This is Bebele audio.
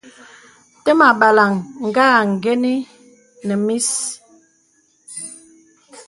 Təmà àbàlàŋ ngà àngənə́ nə mís.